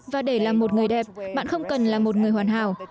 và để làm một người đẹp bạn không cần là một người hoàn hảo